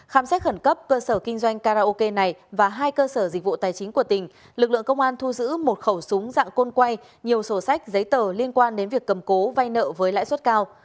khám xét khẩn cấp cơ sở kinh doanh karaoke này và hai cơ sở dịch vụ tài chính của tỉnh lực lượng công an thu giữ một khẩu súng dạng côn quay nhiều sổ sách giấy tờ liên quan đến việc cầm cố vay nợ với lãi suất cao